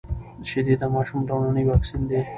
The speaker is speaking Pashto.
شيدې د ماشوم لومړنی واکسين دی.